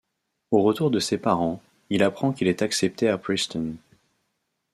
Au retour de ses parents, il apprend qu'il est accepté à Princeton.